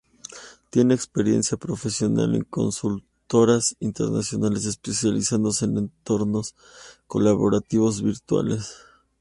Tiene experiencia profesional en consultoras internacionales, especializándose en entornos colaborativos virtuales.